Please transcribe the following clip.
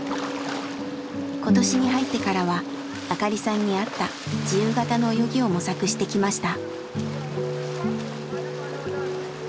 今年に入ってからは明香里さんに合った自由形の泳ぎを模索してきました。